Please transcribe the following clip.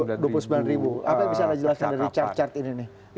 apa yang bisa anda jelaskan dari chart chart ini nih